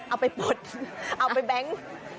เอาไปปลดเอาไปแบงค์